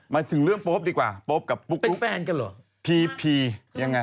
มาถึงเรื่องโป๊ปดีกว่าโป๊ปกับปุ๊กเป็นแฟนกันเหรอพีพียังไง